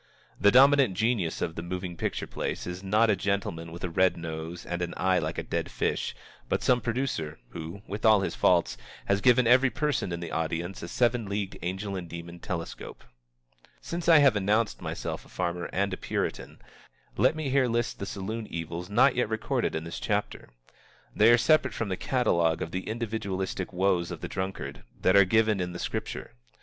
The dominant genius of the moving picture place is not a gentleman with a red nose and an eye like a dead fish, but some producer who, with all his faults, has given every person in the audience a seven leagued angel and demon telescope. Since I have announced myself a farmer and a puritan, let me here list the saloon evils not yet recorded in this chapter. They are separate from the catalogue of the individualistic woes of the drunkard that are given in the Scripture.